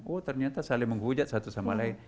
oh ternyata saling menghujat satu sama lain